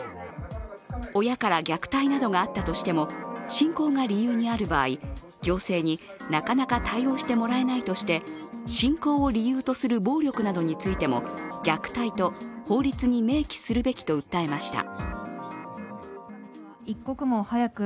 親から虐待などがあったとしても信仰が理由にある場合、行政になかなか対応してもらえないとして信仰を理由とする暴力などについても虐待と法律に明記するべきと訴えました。